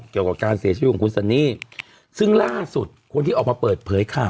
เกี่ยวกับการเสียชีวิตของคุณซันนี่ซึ่งล่าสุดคนที่ออกมาเปิดเผยข่าว